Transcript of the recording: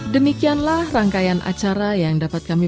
demikianlah rangkaian acara yang dapat kami